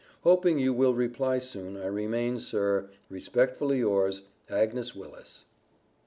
Hoping you will reply soon, I remain, sir, Respectfully yours, AGNES WILLIS.